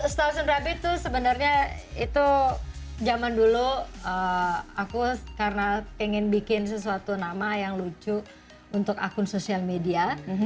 station rabbit tuh sebenarnya itu zaman dulu aku karena ingin bikin sesuatu nama yang lucu untuk akun sosial media